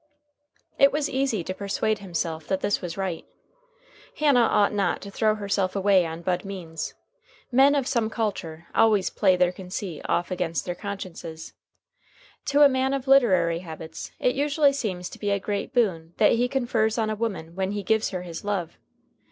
It was easy to persuade himself that this was right. Hannah ought not to throw herself away on Bud Means. Men of some culture always play their conceit off against their consciences. To a man of literary habits it usually seems to be a great boon that he confers on a woman when he gives her his love.